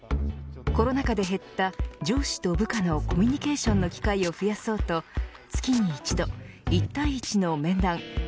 コロナ禍で減った上司と部下のコミュニケーションの機会を増やそうと、月に１度一対一の面談